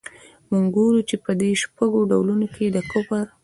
موږ ګورو چي په دې شپږو ډولونو کي د کفر.